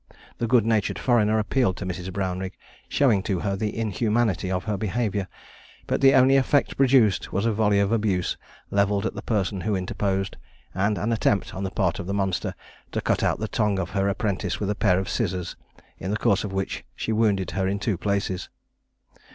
The good natured foreigner appealed to Mrs. Brownrigg, showing to her the inhumanity of her behaviour; but the only effect produced was a volley of abuse levelled at the person who interposed, and an attempt, on the part of the monster, to cut out the tongue of her apprentice with a pair of scissors, in the course of which she wounded her in two places.